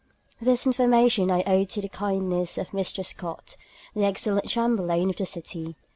This information I owe to the kindness of Mr. Scott, the excellent Chamberlain of the City.